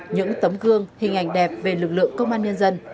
những tấm gương hình ảnh đẹp về lực lượng công an nhân dân